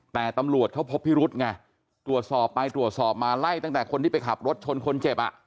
แต่ตำรวจเขาพบพิรุธไงตรวจสอบไปตรวจสอบมาไล่ตั้งแต่คนที่ไปขับรถชนคนเจ็บอ่ะ